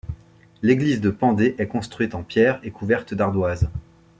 L'église de Pendé est construite en pierre et couverte d'ardoise.